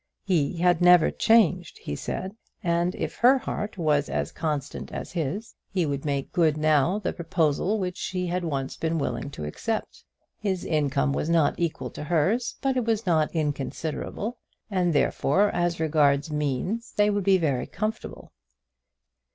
He had never changed, he said; and if her heart was as constant as his, he would make good now the proposal which she had once been willing to accept. His income was not equal to hers, but it was not inconsiderable, and therefore as regards means they would be very comfortable.